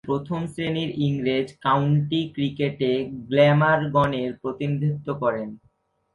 প্রথম-শ্রেণীর ইংরেজ কাউন্টি ক্রিকেটে গ্ল্যামারগনের প্রতিনিধিত্ব করেন।